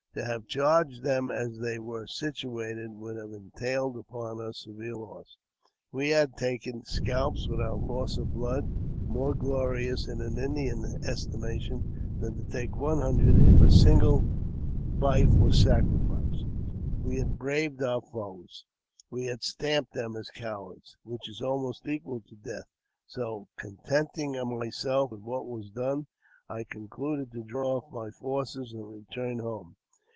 To have charged them as they wei situated would have entailed upon us severe loss. We ha^ taken two scalps without loss of blood, more glorious in a^ Indian's estimation than to take one hundred if a single lii was sacrificed. We had braved our foes; we had stamped them as cowards, which is almost equal to death ; so, conteni ing myself with what was done, I concluded to draw off my~ forces and return home.